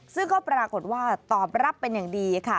ซึ่งก็ปรากฏว่าตอบรับเป็นอย่างดีค่ะ